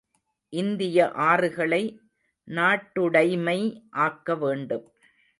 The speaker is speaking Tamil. இந்திய ஆறுகளை நாட்டுடைமை ஆக்க வேண்டும்.